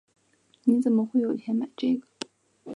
你怎么会有钱买这个？